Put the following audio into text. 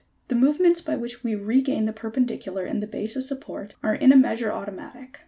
The movements by which we regain the perpendicular in the base of support are in a measure automatic.